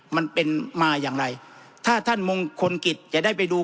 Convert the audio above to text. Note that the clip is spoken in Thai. มันเป็นมาอย่างไรถ้าท่านมงคลกิจจะได้ไปดู